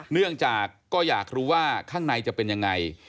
เนื่องจากก็อยากรู้ว่าข้างในจะเป็นยังไง